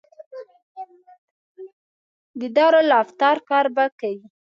د دارالافتا کار به کوي.